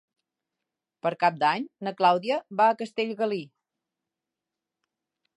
Per Cap d'Any na Clàudia va a Castellgalí.